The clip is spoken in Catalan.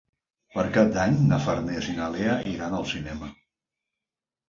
Per Cap d'Any na Farners i na Lea iran al cinema.